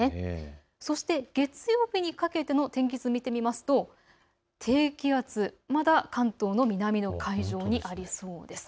そして月曜日にかけての天気図見てみますと低気圧、まだ関東の南の海上にありそうです。